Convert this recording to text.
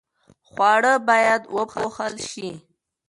خواړه باید وپوښل شي.